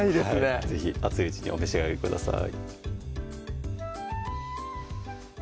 はい是非熱いうちにお召し上がりください